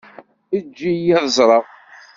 Eǧǧ-iyi ad ẓreɣ.